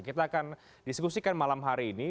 kita akan diskusikan malam hari ini